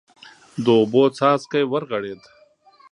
د اوبو څاڅکی ورغړېد.